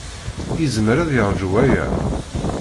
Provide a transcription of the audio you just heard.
Yezmer ad yeṛju waya?